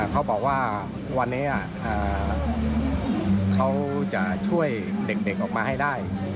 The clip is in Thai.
เขาบอกว่าวันนี้เขาจะช่วยเด็กออกมาให้ได้